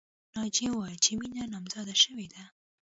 ناجیې وویل چې مینه نامزاده شوې ده